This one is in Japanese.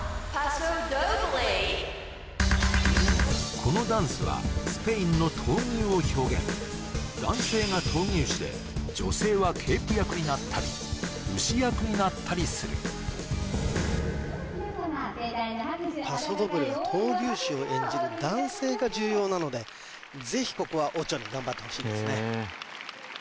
このダンスはスペインの男性が闘牛士で女性はケープ役になったり牛役になったりするパソドブレは闘牛士を演じる男性が重要なのでぜひここはオチョに頑張ってほしいですね